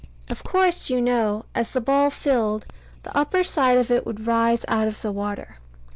Of course, you know, as the ball filled, the upper side of it would rise out of the water.